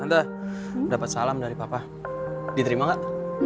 tante dapet salam dari papa diterima gak